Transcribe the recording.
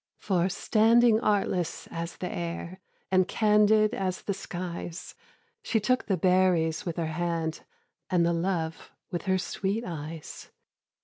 For, standing artless as the air, And candid as the skies, She took the berries with her hand, And the love with her sweet eyes.